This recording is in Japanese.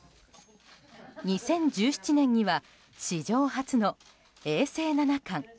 ２０１７年には史上初の永世七冠。